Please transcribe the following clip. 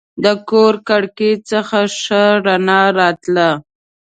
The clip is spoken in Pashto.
د کور کړکۍ څخه ښه رڼا راتله.